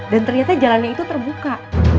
dan ternyata jalannya itu terbuka